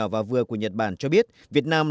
tự nhiên tự nhiên